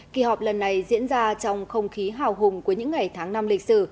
kỳ họp lần này diễn ra trong không khí hào hùng của những ngày tháng năm lịch sử